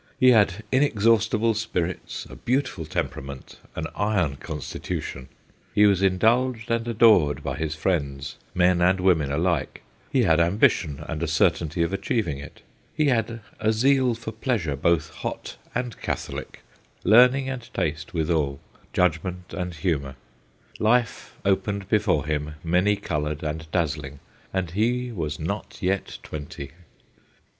He had inextinguishable spirits, a beautiful tem perament, an iron constitution ; he was in dulged and adored by his friends, men and women alike ; he had ambition and a certainty of achieving it ; he had a zeal for pleasure both hot and catholic, learning and taste CHARLES FOX 223 withal, judgment and humour ; life opened before him many coloured and dazzling, and he was not yet twenty.